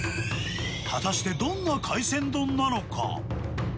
果たしてどんな海鮮丼なのか。